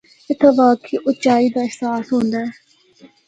اِتھا واقعی اُچائی دا احساس ہوندا اے۔